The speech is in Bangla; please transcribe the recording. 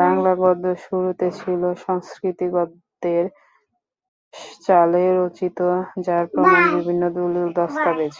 বাংলা গদ্য শুরুতে ছিল সংস্কৃতি গদ্যের চালে রচিত যার প্রমাণ বিভিন্ন দলিল-দস্তাবেজ।